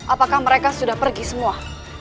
apakah mereka sudah pergi semua